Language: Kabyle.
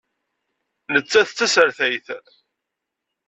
Nettat d tasertayt.